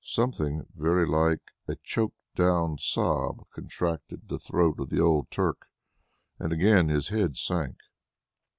Something very like a choked down sob contracted the throat of the old Turk, and again his head sank.